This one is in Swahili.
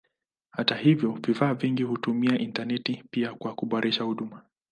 Hata hivyo vifaa vingi hutumia intaneti pia kwa kuboresha huduma.